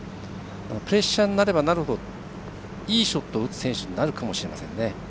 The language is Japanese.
プレッシャーになればなるほどいいショットを打つ選手になるかもしれませんね。